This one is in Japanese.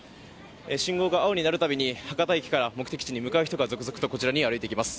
信号が青になるたびに博多駅から目的地に向かう人が続々とこちらに歩いてきます。